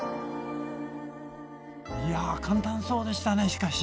いや簡単そうでしたねしかし。